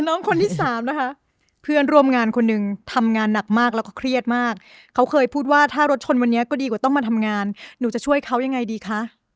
น้องคนที่สามนะคะเพื่อนร่วมงานคนหนึ่งทำงานหนักมากแล้วก็เครียดมากเขาเคยพูดว่าถ้ารถชนวันนี้ก็ดีกว่าต้องมาทำงานหนูจะช่วยเขายังไงดีคะ